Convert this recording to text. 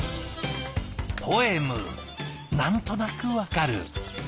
何となく分かる。